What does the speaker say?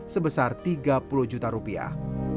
sebesar tiga puluh juta rupiah